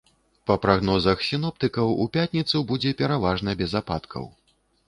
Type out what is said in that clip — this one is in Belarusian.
Па прагнозах сіноптыкаў, у пятніцу будзе пераважна без ападкаў.